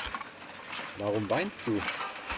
Warum weinst du?